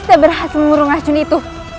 saya berhasil mengurung racun itu